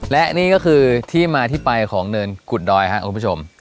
และนี่ก็คือที่มาที่ไปของเนินกุฎดอยครับคุณผู้ชม